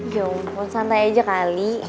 ya ampun santai aja kali